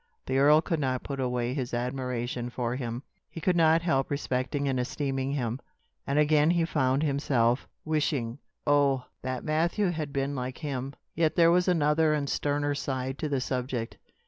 The earl could not put away his admiration for him; he could not help respecting and esteeming him. And again he found himself wishing, "Oh! that Matthew had been like him!" Yet there was another and sterner side to the subject.